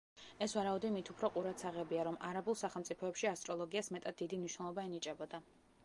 ეს ვარაუდი მით უფრო ყურადსაღებია, რომ არაბულ სახელმწიფოებში ასტროლოგიას მეტად დიდი მნიშვნელობა ენიჭებოდა.